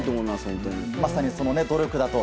まさにその努力だと。